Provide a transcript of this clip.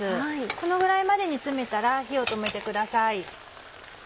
このぐらいまで煮詰めたら火を止めてください。